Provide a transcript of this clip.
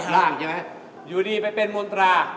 ร่างใช่ไหมอยู่ดีไปเป็นมนตรา